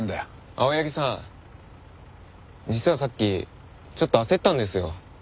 青柳さん実はさっきちょっと焦ったんですよ。